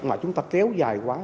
mà chúng ta kéo dài quá